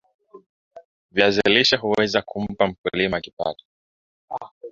viazi lishe huweza kumpa mkulima kipato